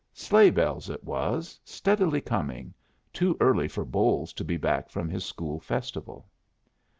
Sleighbells it was, steadily coming, too early for Bolles to be back from his school festival.